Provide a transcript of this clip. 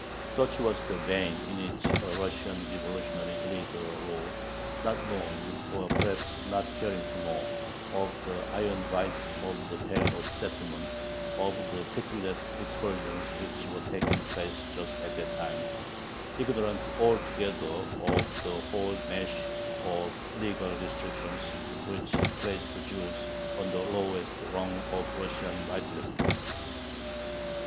Such was the vein in which a Russian revolutionary leader wrote, not knowing, or perhaps not caring to know, of the iron vise of the Pale of Settlement, of the pitiless expulsions which were taking place just at that time, ignorant altogether of the whole mesh of legal restrictions which placed the Jews on the lowest rung of Russian rightlessness.